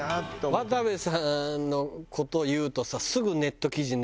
渡部さんの事を言うとさ。